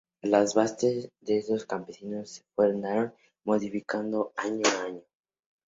Las bases de estos campeonatos se fueron modificando año a año.